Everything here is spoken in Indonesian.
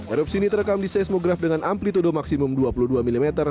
erupsi ini terekam di seismograf dengan amplitude maksimum dua puluh dua mm